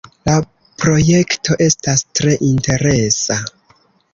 La projekto estas tre interesa.